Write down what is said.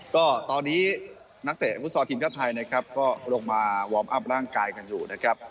ก็ตอนนี้นักเตะฟุตซอลทีมชาติไทยนะครับก็ลงมาวอร์มอัพร่างกายกันอยู่นะครับ